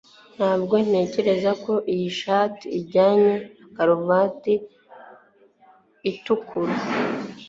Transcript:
Ntabwo ntekereza ko iyi shati ijyana na karuvati itukura.